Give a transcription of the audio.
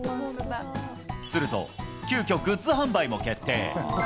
すると、急きょ、グッズ販売も決定。